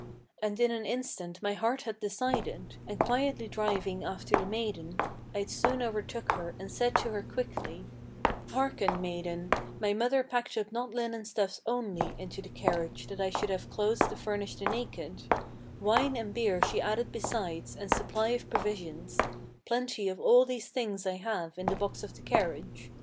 And in an instant my heart had decided, and quietly driving After the maiden, I soon overtook her, and said to her quickly: 'Hearken, good maiden; my mother packed up not linen stuffs only Into the carriage, that I should have clothes to furnish the naked; Wine and beer she added besides, and supply of provisions: Plenty of all these things I have in the box of the carriage.